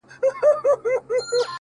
زموږ پر زخمونو یې همېش زهرپاشي کړې ده؛